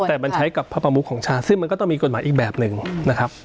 แต่มันใช้กับพระประมุขของชาติซึ่งมันก็ต้องมีกฎหมายอีกแบบหนึ่งนะครับ